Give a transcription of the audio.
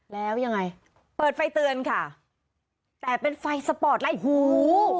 แล้วยังไงเปิดไฟเตือนค่ะแต่เป็นไฟสปอร์ตไล่หู